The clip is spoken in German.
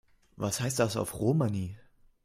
Was heißt das auf Romani?